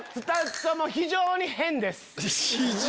２つとも非常に変です。